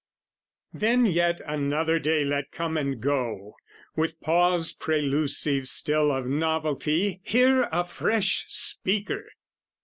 Then, yet another day let come and go, With pause prelusive still of novelty, Hear a fresh speaker!